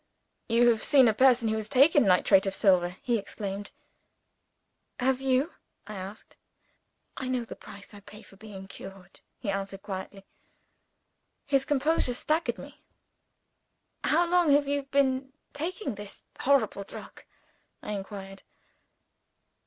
"You have seen a person who has taken Nitrate of Silver!" he exclaimed. "Have you?" I asked. "I know the price I pay for being cured," he answered quietly. His composure staggered me. "How long have you been taking this horrible drug?" I inquired.